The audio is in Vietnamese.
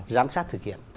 giám sát thực hiện